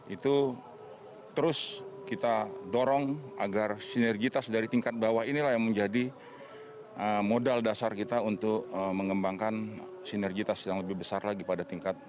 itu terus kita dorong agar sinergitas dari tingkat bawah inilah yang menjadi modal dasar kita untuk mengembangkan sinergitas yang lebih besar lagi pada tingkat